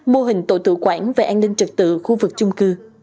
mô hình tổ tự quản về an ninh trật tự khu vực chung cư